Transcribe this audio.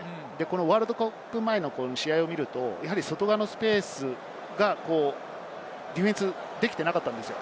ワールドカップ前の試合を見ると、外側のスペースがディフェンスできていなかったんですよ。